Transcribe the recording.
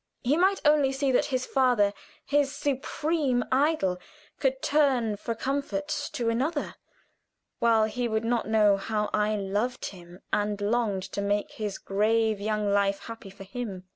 He might only see that his father his supreme idol could turn for comfort to another, while he would not know how I loved him and longed to make his grave young life happy for him.